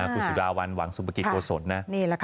พูดสุดาวันหวังซุบกิจโฟสนนะ